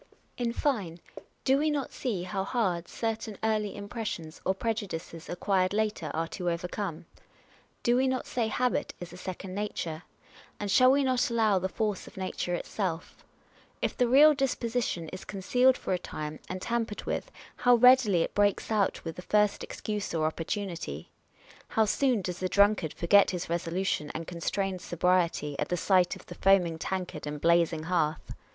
In fine, do we not see how hard certain early impres sions, or prejudices acquired later, are to overcome ? Do we not say habit is a second nature ? And shall we not allow the force of nature itself ? If the real disposition is concealed for a time and tampered with, how readily it breaks out with the first excuse or opportunity ! How soon docs the drunkard forget his resolution and con strained sobriety, at sight of the foaming tankard and blazing hearth